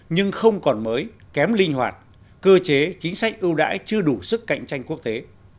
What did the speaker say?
nhưng không còn mới kém linh hoạt cơ chế chính sách ưu đãi chưa đủ sức cạnh tranh quốc tế